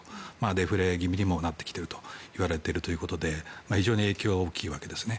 デフレ気味にもなってきているといわれている中で影響が大きいわけですね。